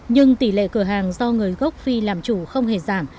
nhưng tỷ lệ cửa hàng do người gốc phi làm chủ không hề giảm